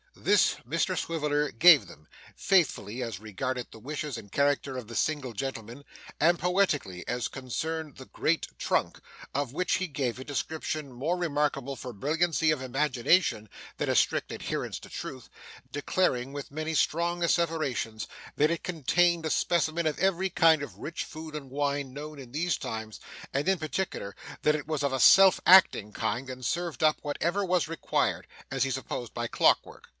This Mr Swiveller gave them faithfully as regarded the wishes and character of the single gentleman, and poetically as concerned the great trunk, of which he gave a description more remarkable for brilliancy of imagination than a strict adherence to truth; declaring, with many strong asseverations, that it contained a specimen of every kind of rich food and wine, known in these times, and in particular that it was of a self acting kind and served up whatever was required, as he supposed by clock work.